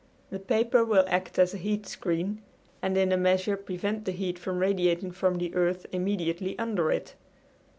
The paper will act as a heat screen and in a measure prevent the heat from radiating from the earth immediately under it.